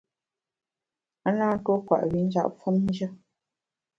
A na ntuo kwet wi njap famjù.